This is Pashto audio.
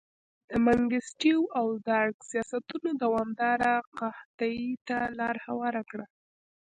د منګستیو او درګ سیاستونو دوامداره قحطۍ ته لار هواره کړه.